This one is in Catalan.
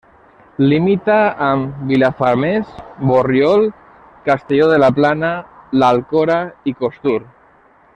Limita amb Vilafamés, Borriol, Castelló de la Plana, l'Alcora i Costur.